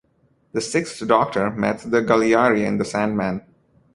The Sixth Doctor met the Galyari in "The Sandman".